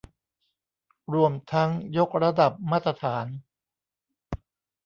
รวมทั้งยกระดับมาตรฐาน